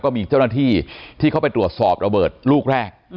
มีเจ้าหน้าที่ที่เขาไปตรวจสอบระเบิดลูกแรก